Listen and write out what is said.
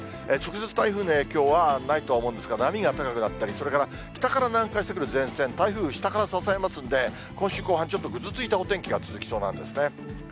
直接、台風の影響はないと思うんですが、波が高くなったり、それから北から南下してくる前線、台風、下から支えますんで、今週後半、ちょっとくずついたお天気が続きそうなんですね。